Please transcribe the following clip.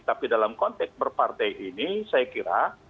tapi dalam konteks berpartai ini saya kira